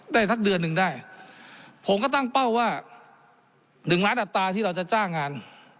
สักเดือนหนึ่งได้ผมก็ตั้งเป้าว่า๑ล้านอัตราที่เราจะจ้างงาน